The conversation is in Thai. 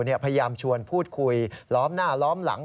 พยายามชวนพูดคุยล้อมหน้าล้อมหลัง